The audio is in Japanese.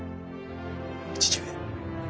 父上。